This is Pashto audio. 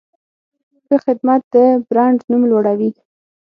ښه خدمت د برانډ نوم لوړوي.